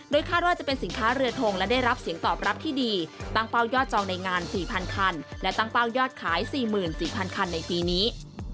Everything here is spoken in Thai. คาดว่าจะเป็นสินค้าเรือทงและได้รับเสียงตอบรับที่ดีตั้งเป้ายอดจองในงาน๔๐๐คันและตั้งเป้ายอดขาย๔๔๐๐คันในปีนี้